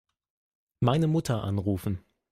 Meine Mutter anrufen.